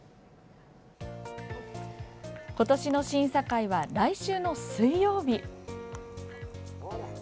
今年の審査会は、来週の水曜日。